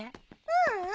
ううん。